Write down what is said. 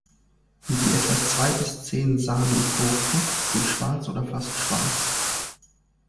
Die etwa zwei bis zehn Samen pro Frucht sind schwarz oder fast schwarz.